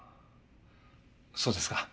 そうですか。